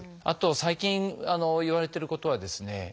あと最近いわれてることはですね